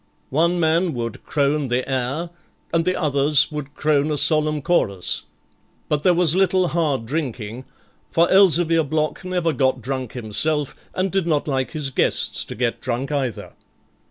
One man would crone the air, and the others would crone a solemn chorus, but there was little hard drinking, for Elzevir Block never got drunk himself, and did not like his guests to get drunk either.